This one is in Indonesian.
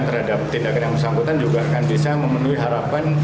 dan terhadap tindakan yang bersambutan juga akan bisa memenuhi harapan